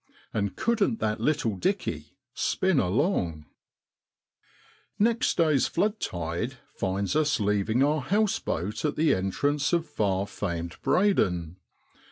And couldn't that little ' dickey ' spin along ! Next day's flood tide finds us leaving our boat house at the entrance of far famed Breydon.